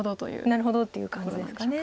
なるほどっていう感じですか。